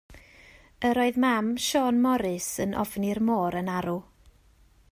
Yr oedd mam Siôn Morys yn ofni'r môr yn arw.